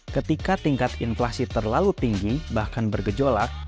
ketika tingkat inflasi terlalu tinggi bahkan bergejolak